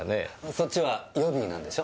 そっちは予備なんでしょ？